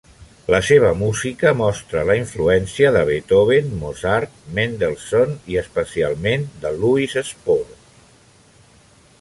La seva música mostra la influència de Beethoven, Mozart, Mendelssohn i, especialment, de Louis Spohr.